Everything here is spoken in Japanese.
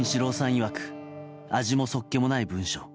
いわく味もそっけもない文章。